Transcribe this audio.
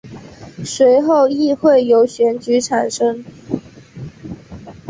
随后议会由选举产生。